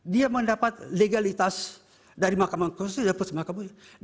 dia mendapat legalitas dari mahkamah konstitusi dan putusan mahkamah konstitusi